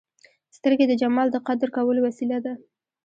سترګې د جمال د قدر کولو وسیله ده